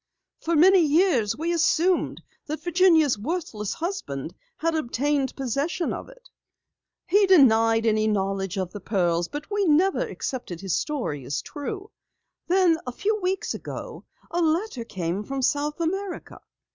For many years we assumed that Virginia's worthless husband had obtained possession of it. He denied any knowledge of the pearls, but we never accepted his story as true. Then, a few weeks ago, a letter came from South America.